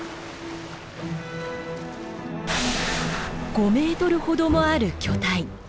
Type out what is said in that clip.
５メートルほどもある巨体。